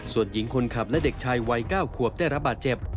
ส่วนหญิงคนขับและเด็กชายวัย๙ขวบได้รับบาดเจ็บ